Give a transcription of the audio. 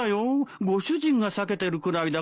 ご主人が避けてるくらいだからね。